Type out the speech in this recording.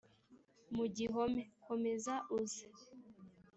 mu gihome komeza uze